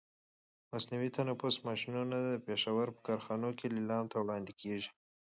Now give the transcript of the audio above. مصنوعي تنفس ماشینونه د پښاور په کارخانو کې لیلام ته وړاندې کېږي.